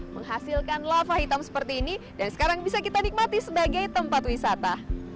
menghasilkan lava hitam seperti ini dan sekarang bisa kita nikmati sebagai tempat wisata